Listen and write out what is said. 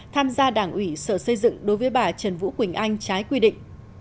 tham gia đảng ủy sở xây dựng đối với bà trần vũ quỳnh anh trái quy định